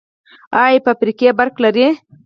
آیا فابریکې برق لري؟